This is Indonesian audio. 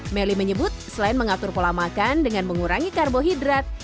melly menyebut selain mengatur pola makan dengan mengurangi karbohidrat